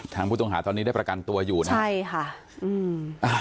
ทางผู้ต้องหาตอนนี้ได้ประกันตัวอยู่นะใช่ค่ะอืมอ่า